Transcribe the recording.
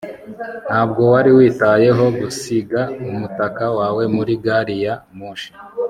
ntabwo wari witayeho gusiga umutaka wawe muri gari ya moshi